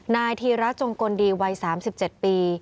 นายธีระจงกลดีวัย๓๗ปี